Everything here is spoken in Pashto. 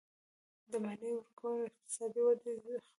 د مالیې ورکول د اقتصادي ودې برخه ده.